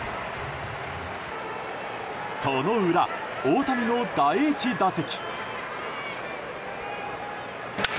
その裏、大谷の第１打席。